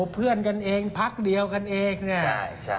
เพื่อนกันเองพักเดียวกันเองเนี่ย